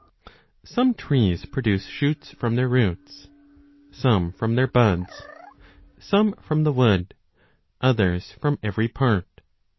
Some trees produce shoots 4 from their roots, some from their buds, some from the wood, others from every part.